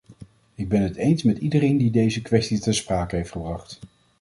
Ik ben het eens met iedereen die deze kwestie ter sprake heeft gebracht.